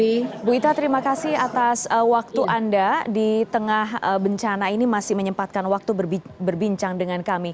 ibu ita terima kasih atas waktu anda di tengah bencana ini masih menyempatkan waktu berbincang dengan kami